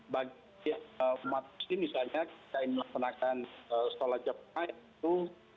bagi umat muslim misalnya kita ingin melaksanakan sholat jemaah itu